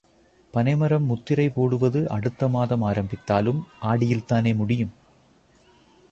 பனைமரம் முத்திரை போடுவது அடுத்த மாதம் ஆரம்பித்தாலும் ஆடியில் தானே முடியும்?